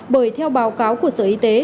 bởi theo báo cáo của sở y tế